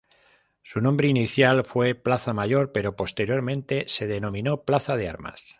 Su nombre inicial fue plaza Mayor, pero posteriormente se denominó plaza de Armas.